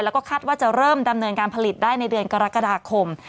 แล้วก็คาดว่าจะเริ่มดำเนินการผลิตได้ในเดือนกรกฎาคม